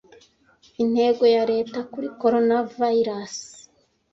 [S] Intego ya Leta kuri Coronavirus .